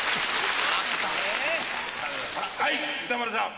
はい歌丸さん。